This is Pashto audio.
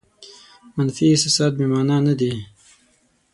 منفي احساسات بې مانا نه دي.